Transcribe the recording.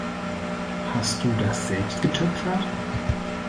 Hast du das selbst getöpfert?